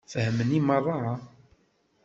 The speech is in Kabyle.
Fehmen i meṛṛa?